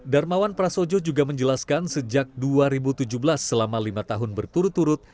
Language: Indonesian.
darmawan prasojo juga menjelaskan sejak dua ribu tujuh belas selama lima tahun berturut turut